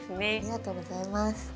ありがとうございます。